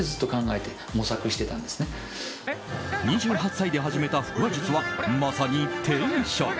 ２８歳で始めた腹話術はまさに天職。